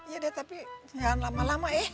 yaudah tapi jangan lama lama ya